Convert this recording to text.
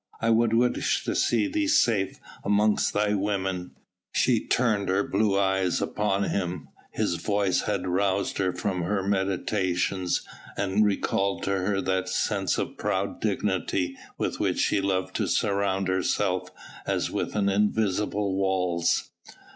I would wish to see thee safe amongst thy women." She turned her blue eyes upon him. His voice had roused her from her meditations and recalled her to that sense of proud dignity with which she loved to surround herself as with invisible walls.